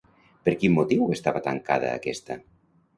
Per quin motiu estava tancada aquesta?